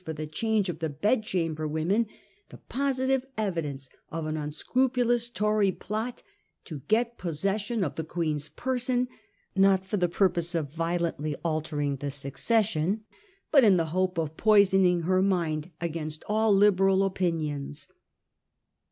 for the change of the bedchamber women the posi tive evidence of an unscrupulous Tory plot to get possession of the Queen's person, not indeed for the purpose of violently altering the succession, hut in the hope of poisoning her mind against all Liberal opinions.